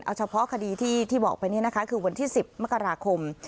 เอาเฉพาะคดีที่บอกไปนี่นะคะคือวันที่๑๐มกราคม